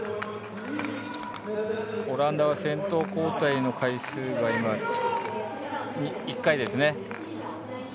オランダが先頭交代の回数が今１回ですね。